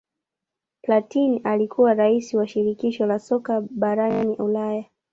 platin alikuwa rais wa shirikisho la soka barani Ulaya